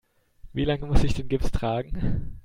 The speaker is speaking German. Wie lange muss ich den Gips tragen?